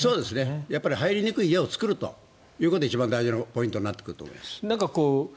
やっぱり入りにくい家を作るということが一番大事なポイントになってくると思います。